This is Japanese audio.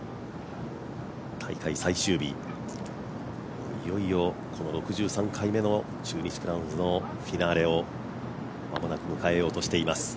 大会最終日、いよいよ６３回目の中日クラウンズフィナーレをまもなく、迎えようとしています。